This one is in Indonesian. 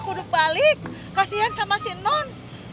kuduk balik kasihan sama si non